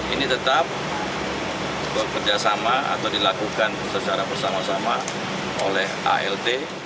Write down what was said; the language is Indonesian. ini tetap bekerjasama atau dilakukan secara bersama sama oleh alt